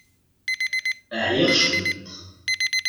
Ɛyiɣ cwiṭ.